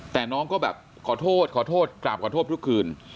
แต่น้องก็แบบขอโทษขอโทษกราบขอโทษทุกคืน